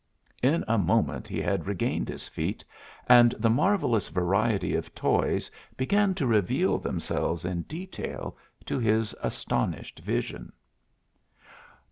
In a moment he had regained his feet, and the marvelous variety of toys began to reveal themselves in detail to his astounded vision.